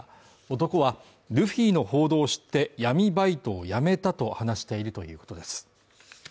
男はルフィの報道を知って闇バイトを辞めたと話しているということです。